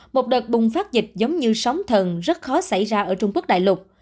một đợt bùng phát dịch giống như sóng thần rất khó xảy ra ở trung quốc đại lục